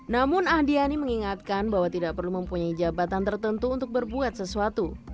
namun andiani mengingatkan bahwa tidak perlu mempunyai jabatan tertentu untuk berbuat sesuatu